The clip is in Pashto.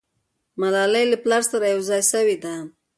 ملالۍ له پلاره سره یو ځای سوې ده.